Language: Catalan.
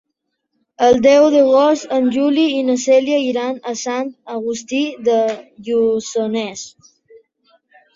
El deu d'agost en Juli i na Cèlia iran a Sant Agustí de Lluçanès.